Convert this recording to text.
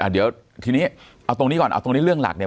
เอาตรงนี้ก่อนเอาตรงนี้เรื่องหลักเนี่ย